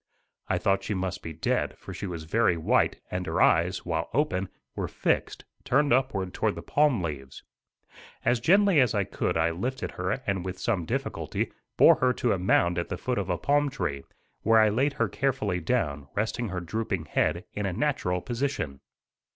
I thought she must be dead, for she was very white and her eyes, while open, were fixed, turned upward toward the palm leaves. As gently as I could I lifted her and with some difficulty bore her to a mound at the foot of a palm tree, where I laid her carefully down, resting her drooping head in a natural position.